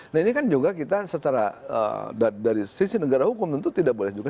nah ini kan juga kita secara dari sisi negara hukum tentu tidak boleh juga